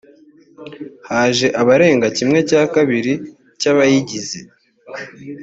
haje abarenga kimwe cya kabiri cy’abayigize